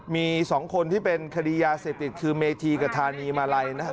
มี๒คนที่เป็นคดียาเสพติดคือเมธีกับธานีมาลัยนะครับ